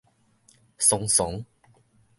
倯倯